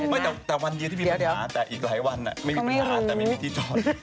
เวลาในคลาสมันเยอะมันก็อาจจะหาระบาดนิดหนึ่งพี่ช่อง